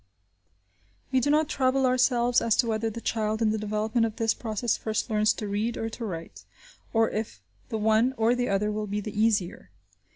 We do not trouble ourselves as to whether the child in the development of this process, first learns to read or to write, or if the one or the other will be the easier.